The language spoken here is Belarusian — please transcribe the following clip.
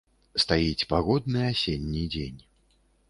Стаіць пагодны асенні дзень.